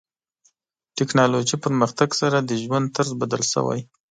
ټکنالوژي پرمختګ سره د ژوند طرز بدل شوی.